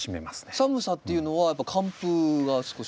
寒さっていうのはやっぱ寒風が少し？